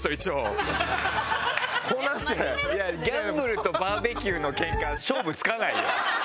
ギャンブルとバーベキューのケンカ勝負つかないよ。